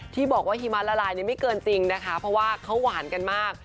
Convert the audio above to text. ที่บอกว่าหิมะละลายไม่เกินจริงนะคะเพราะว่าเขาหวานกันมาก